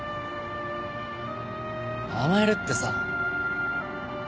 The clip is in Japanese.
甘えるってさ。